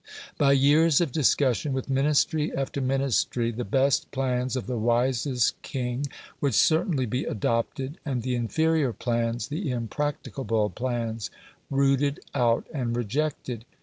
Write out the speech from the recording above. By years of discussion with Ministry after Ministry, the best plans of the wisest king would certainly be adopted, and the inferior plans, the impracticable plans, rooted out and rejected.